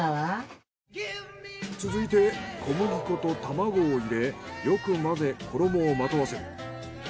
続いて小麦粉と卵を入れよく混ぜ衣をまとわせる。